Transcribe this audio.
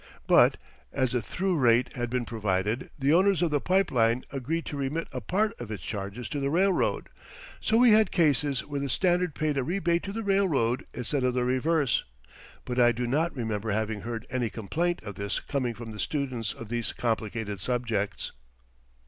But, as a through rate had been provided, the owners of the pipe line agreed to remit a part of its charges to the railroad, so we had cases where the Standard paid a rebate to the railroad instead of the reverse but I do not remember having heard any complaint of this coming from the students of these complicated subjects.